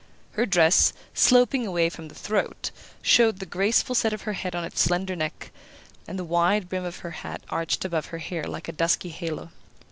Her dress, sloping away from the throat, showed the graceful set of her head on its slender neck, and the wide brim of her hat arched above her hair like a dusky halo.